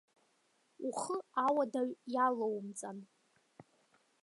Ухы ауадаҩ иалоумҵан.